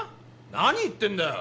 何言ってんだよ